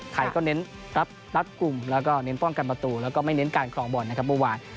ไทยก็เน้นรับรัดกลุ่มแล้วก็เน้นป้องกันประตูแล้วก็ไม่เน้นการครองบอลนะครับเมื่อวาน